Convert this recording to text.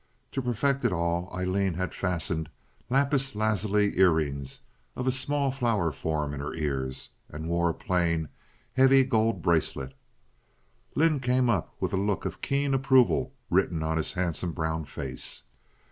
To perfect it all, Aileen had fastened lapis lazuli ear rings of a small flower form in her ears, and wore a plain, heavy gold bracelet. Lynde came up with a look of keen approval written on his handsome brown face.